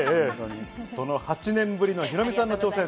その８年ぶりのヒロミさんの挑戦。